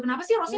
kenapa sih rosie